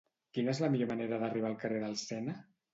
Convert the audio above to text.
Quina és la millor manera d'arribar al carrer del Sena?